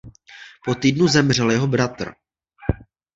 Po týdnu zemřel jeho bratr.